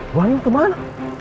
bu andin kemana